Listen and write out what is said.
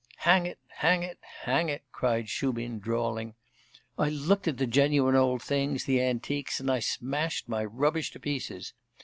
'Hang it! Hang it! Hang it!' cried Shubin, drawling 'I looked at the genuine old things, the antiques, and I smashed my rubbish to pieces.